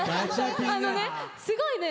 あのねすごいね。